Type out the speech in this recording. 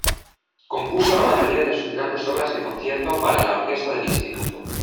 Compuso la mayoría de sus grandes obras de concierto para la orquesta del Instituto.